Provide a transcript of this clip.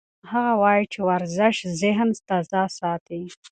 هغه وایي چې ورزش ذهن تازه ساتي.